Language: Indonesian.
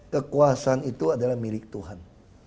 kekuasaan itu adalah milik tuhan